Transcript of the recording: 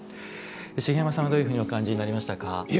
茂山さんはどういうふうにお感じになりましたか？